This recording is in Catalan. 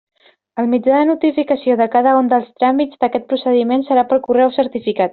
El mitjà de notificació de cada un dels tràmits d'aquest procediment serà per correu certificat.